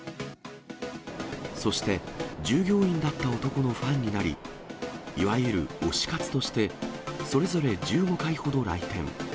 そして、従業員だった男のファンになり、いわゆる推し活として、それぞれ１５回ほど来店。